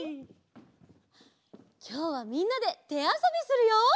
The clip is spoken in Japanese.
きょうはみんなでてあそびするよ！